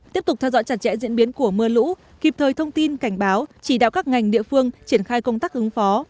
tiếp tục theo dõi chặt chẽ diễn biến của mưa lũ kịp thời thông tin cảnh báo chỉ đạo các ngành địa phương triển khai công tác ứng phó